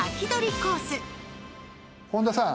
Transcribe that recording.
本田さん